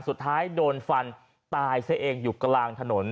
สุดท้ายโดนฟันตายซะเองอยู่กลางถนน